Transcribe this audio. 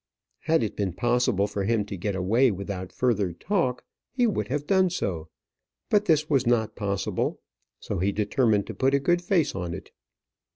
Had it been possible for him to get away without further talk, he would have done so; but this was not possible, so he determined to put a good face on it.